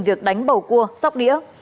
việc đánh bầu cua sóc đĩa